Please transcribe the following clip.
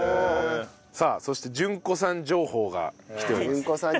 さあそして稔子さん情報が来ております。